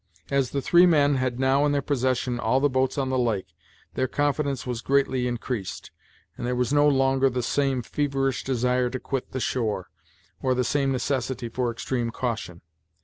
As the three men had now in their possession all the boats on the lake, their confidence was greatly increased, and there was no longer the same feverish desire to quit the shore, or the same necessity for extreme caution.